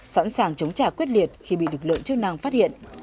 sẵn sàng chống trả quyết liệt khi bị lực lượng chức năng phát hiện